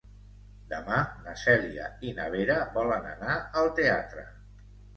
Demà na Cèlia i na Vera volen anar al teatre.